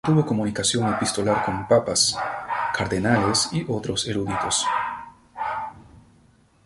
Mantuvo comunicación epistolar con papas, cardenales y otros eruditos.